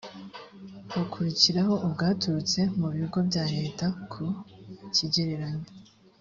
hakurikiraho ubwaturutse mu bigo bya leta ku kigereranyo